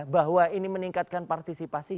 bahwa ini meningkatkan partisipasi